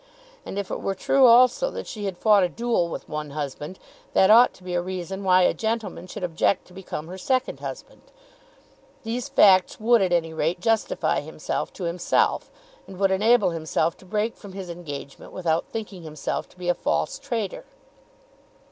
And if it were true also that she had fought a duel with one husband, that also ought to be a reason why a gentleman should object to become her second husband. These facts would at any rate justify himself to himself, and would enable himself to break from his engagement without thinking himself to be a false traitor.